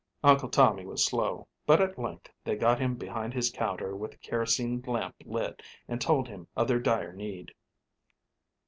Uncle Tommy was slow, but at length they got him behind his counter with a kerosene lamp lit, and told him of their dire need.